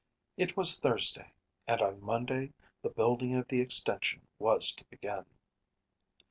It was Thursday, and on Monday the building of the extension was to begin.